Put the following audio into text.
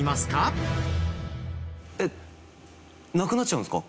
えっなくなっちゃうんですか？